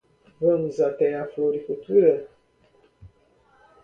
Vamos até a floricultura?